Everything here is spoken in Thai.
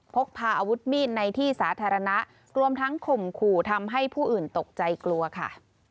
พกพาอาวุธมีดในที่สาธารณะรวมทั้งข่มขู่ทำให้ผู้อื่นตกใจกลัวค่ะ